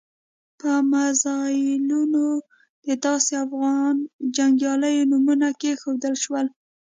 په میزایلونو د داسې افغان جنګیالیو نومونه کېښودل شول.